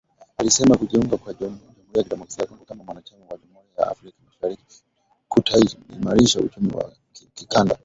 Alisema kujiunga kwa Jamuhuri ya Kidemokrasia ya Kongo kama mwanachama wa Jumuiya ya Afrika Mashariki kutaimarisha uchumi wa kikanda